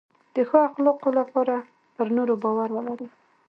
د ښو اخلاقو لپاره پر نورو باور ولرئ.